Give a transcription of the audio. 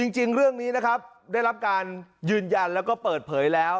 จริงเรื่องนี้นะครับได้รับการยืนยันแล้วก็เปิดเผยแล้ว